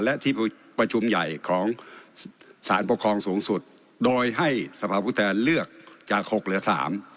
และที่ประชุมใหญ่ของสารปกครองสูงสุดโดยให้สภาพผู้แทนเลือกจากหกเหลือสาม